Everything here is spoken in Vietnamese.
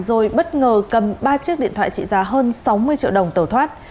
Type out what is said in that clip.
rồi bất ngờ cầm ba chiếc điện thoại trị giá hơn sáu mươi triệu đồng tẩu thoát